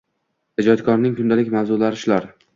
Ijodkorning kundalik mavzulari shular.